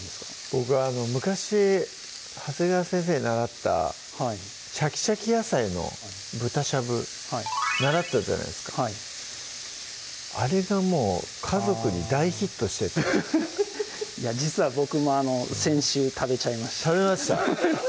僕昔長谷川先生に習った「シャキシャキ野菜の豚しゃぶ」習ったじゃないですかはいあれがもう家族に大ヒットしてて実は僕も先週食べちゃいました食べました？